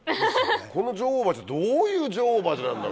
この女王蜂どういう女王蜂なんだろう？って。